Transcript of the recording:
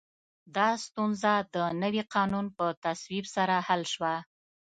دا ستونزه د نوي قانون په تصویب سره حل شوه.